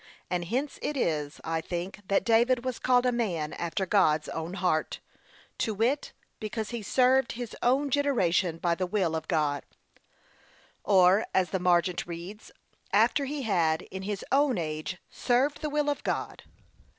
And hence it is, I think, that David was called a man after God's own heart; to wit, because he served his own generation by the will of God; or, as the margent reads, after he had, in his own age, served the will of God.